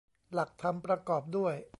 หลักธรรมประกอบด้วย